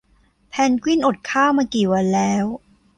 เพนกวินอดข้าวมากี่วันแล้ว